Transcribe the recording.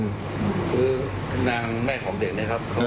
คือนางแม่ของเด็กนะครับ